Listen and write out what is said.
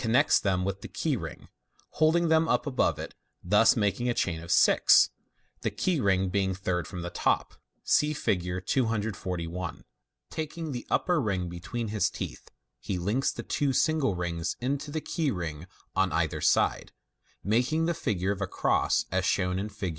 405 riects them with the key ring, holding them up above it, thus making n chain of six, the key ring being third from the top. (See Fig. 241.) Taking the upper ring between his teeth, he links the two single rings into the key ring on either side, making the figure of a cross, as shown in Fig.